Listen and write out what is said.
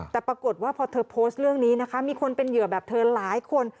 แต่ปรากฏว่าพอเธอโพสต์เรื่องนี้นะคะมีคนเป็นเหยื่อแบบเธอหลายคน